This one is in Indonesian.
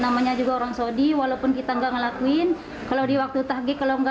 namanya juga orang saudi walaupun kita enggak ngelakuin kalau di waktu tahlik kalau enggak